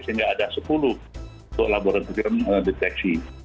sehingga ada sepuluh untuk laboratorium deteksi